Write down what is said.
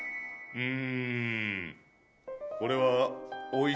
うん？